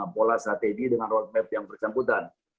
pola strategi dengan roadmap yang bersangkutan